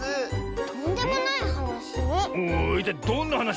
とんでもないはなし？